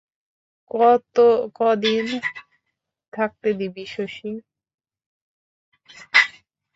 কদিন থাকতে দিবি শশী?